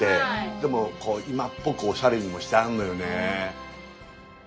でもこう今っぽくおしゃれにもしてあんのよね。